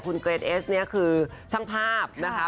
คุณเกรดเอสเนี่ยคือช่างภาพนะคะ